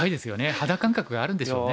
肌感覚があるんでしょうね。